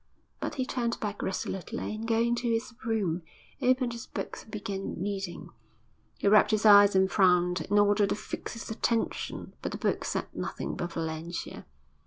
But he turned back resolutely, and, going to his room, opened his books and began reading. He rubbed his eyes and frowned, in order to fix his attention, but the book said nothing but Valentia.